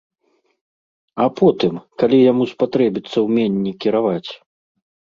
А потым, калі яму спатрэбіцца ўменне кіраваць?